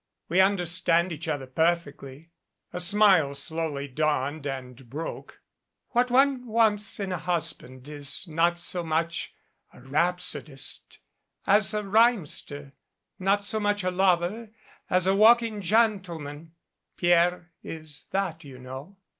We understand each other perfectly." A smile slowly dawned and broke. "What one wants in a husband is not so much a rhapsodist as a rhymester, not so much a lover as a walking gentleman Pierre is that, you know."